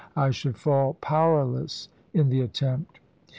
I should fall powerless in the attempt.